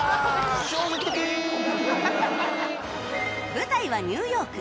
舞台はニューヨーク